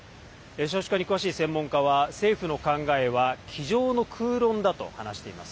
少子化に詳しい専門家は政府の考えは机上の空論だと話しています。